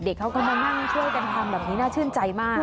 เด็กเขาก็มาช่วยกันทำแบบนี้น่าชื่นใจมาก